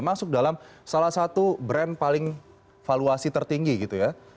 masuk dalam salah satu brand paling valuasi tertinggi gitu ya